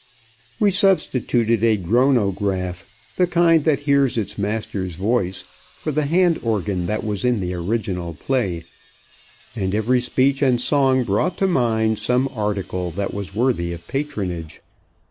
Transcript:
We substituted a groanograph the kind that hears its master's voice for the hand organ that was in the original play, and every speech and song brought to mind some article that was worthy of patronage.